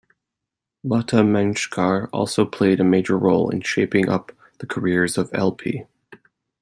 Lata Mangeshkar also played a major role in shaping up the careers of L-P.